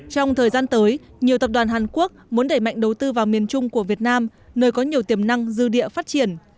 trong thời gian tới nhiều tập đoàn hàn quốc muốn đẩy mạnh đầu tư vào miền trung của việt nam nơi có nhiều tiềm năng dư địa phát triển